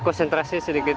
ya konsentrasi sedikit